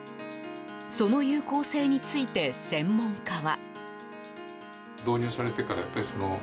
その有効性について専門家は。